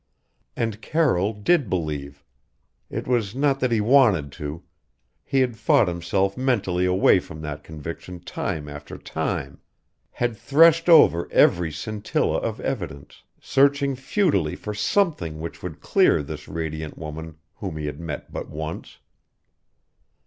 And Carroll did believe. It was not that he wanted to he had fought himself mentally away from that conviction time after time; had threshed over every scintilla of evidence, searching futilely for something which would clear this radiant woman whom he had met but once.